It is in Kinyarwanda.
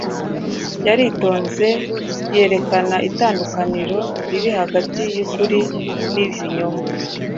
Yaritonze yerekana itandukaniro riri hagati y’ukuri n’ibinyoma.